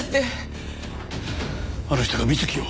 あの人が美月を。